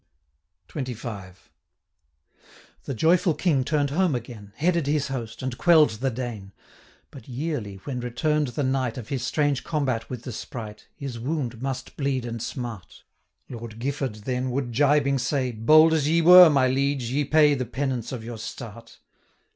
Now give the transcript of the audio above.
XXV. 'The joyful King turn'd home again, 490 Headed his host, and quell'd the Dane; But yearly, when return'd the night Of his strange combat with the sprite, His wound must bleed and smart; Lord Gifford then would gibing say, 495 "Bold as ye were, my liege, ye pay The penance of your start."